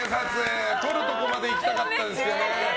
撮るところまで行きたかったですけどね。